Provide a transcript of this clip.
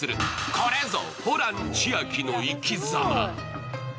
これぞホラン千秋の生きざま。